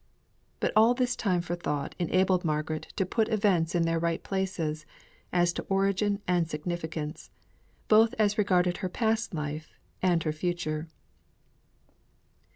But all this time for thought enabled Margaret to put events in their right places, as to origin and significance, both as regarded her past life and her future.